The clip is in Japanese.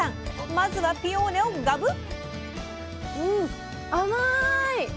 まずはピオーネをガブッ！